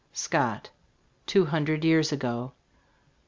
Scott. TWO HUNDRED YEARS AGO.